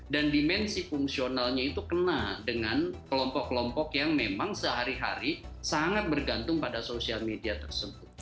dan dimensi fungsionalnya itu kena dengan kelompok kelompok yang memang sehari hari sangat bergantung pada social media tersebut